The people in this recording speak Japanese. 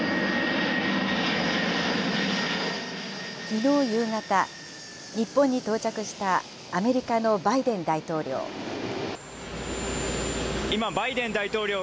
きのう夕方、日本に到着したアメリカのバイデン大統領。